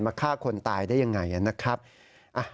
มาฆ่าคนตายได้ยังไง